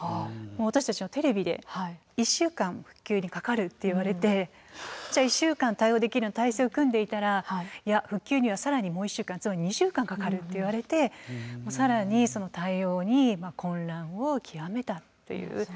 私たちはテレビで１週間復旧にかかるって言われてじゃあ１週間対応できるような体制を組んでいたらいや復旧にはさらにもう１週間つまり２週間かかるって言われてさらにその対応に混乱を極めたというそんな状態でした。